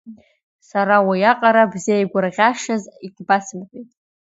Сара уиаҟара бзеигәырӷьашаз егьбасымҳәеит.